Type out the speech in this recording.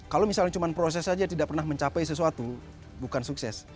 kalau misalnya cuma proses saja tidak pernah mencapai sesuatu bukan sukses